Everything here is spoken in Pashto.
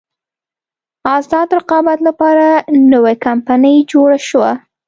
ازاد رقابت لپاره نوې کمپنۍ جوړه شوه.